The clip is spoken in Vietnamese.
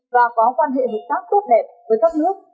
và có quan hệ hợp tác tốt đẹp với các nước